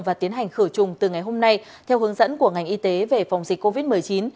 và tiến hành khử trùng từ ngày hôm nay theo hướng dẫn của ngành y tế về phòng dịch covid một mươi chín